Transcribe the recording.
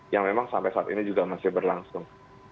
yang memang sampai saat ini juga masih berlangsung